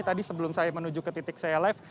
tadi sebelum saya menuju ke titik clf